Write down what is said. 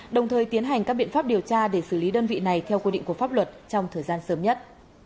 đồng thời tiến hành các biện pháp điều tra để xử lý đơn vị này theo quy định của pháp luật trong thời gian sớm nhất